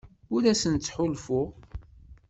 Ur asent-ttḥulfuɣ.